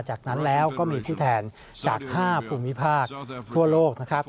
จากนั้นแล้วก็มีผู้แทนจาก๕ภูมิภาคทั่วโลกนะครับ